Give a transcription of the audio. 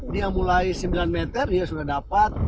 dia mulai sembilan meter dia sudah dapat